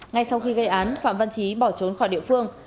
ngay sau khi gây án phạm văn trí bỏ trốn khỏi địa phương